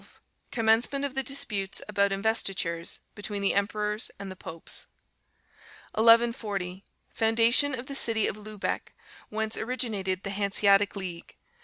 Commencement of the disputes about investitures between the emperors and the popes. 1140. Foundation of the city of Lubeck, whence originated the Hanseatic League.